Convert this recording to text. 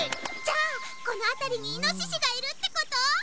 じゃあこのあたりにイノシシがいるってこと？